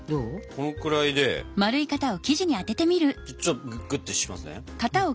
このくらいでちょっとグッとしますね。